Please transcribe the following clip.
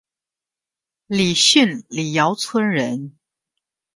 李迅李姚村人。